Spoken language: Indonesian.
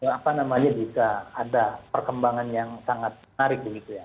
apa namanya bisa ada perkembangan yang sangat menarik